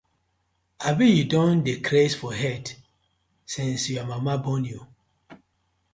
Abi yu don dey craze for head since yur mama born yu.